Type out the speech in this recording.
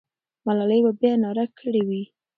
ملالۍ به بیا ناره کړې وي.